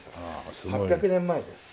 すごい。８００年前です。